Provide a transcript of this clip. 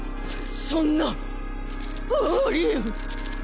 そんなありえん！